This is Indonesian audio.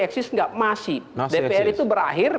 dipersis nggak masih dpr itu berakhir